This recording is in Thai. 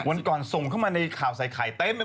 วันก่อนส่งเข้ามาในข่าวไซคัยเต็มไปหมดเลย